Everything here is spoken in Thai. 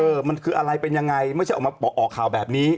รถเมย์เป็นโรคโควิด